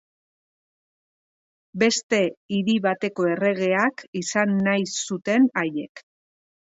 Beste hiri bateko erregeak izan nahi zuten haiek.